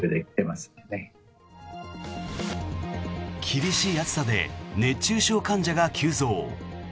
厳しい暑さで熱中症患者が急増。